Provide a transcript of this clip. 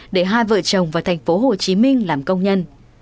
để hai vợ chồng vào thành phố hồ chí minh làm công nhân